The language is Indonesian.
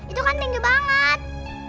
itu kan tinggi banget